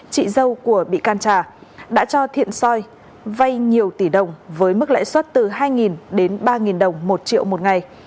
chị dâu của bị can trà đã cho thiện soi vay nhiều tỷ đồng với mức lãi suất từ hai đến ba đồng một triệu một ngày